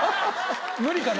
無理かな？